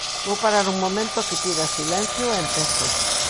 Vou parar un momento a que pida silencio e empezo.